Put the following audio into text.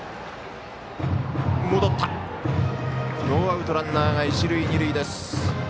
ノーアウト、ランナーが一塁二塁です。